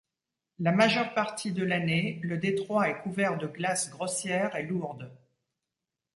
La majeure partie de l'année, le détroit est couvert de glace grossière et lourde.